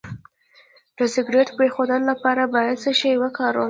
د سګرټ د پرېښودو لپاره باید څه شی وکاروم؟